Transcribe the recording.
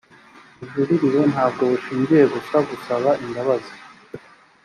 bujurire ntabwo bushingira gusa kugusaba imbabazi